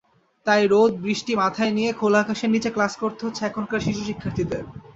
তাই রোদ-বৃষ্টি মাথায় নিয়ে খোলা আকাশের নিচে ক্লাস করতে হচ্ছে এখানকার শিশুশিক্ষার্থীদের।